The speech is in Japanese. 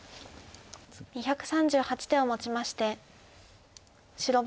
２３８手をもちまして白番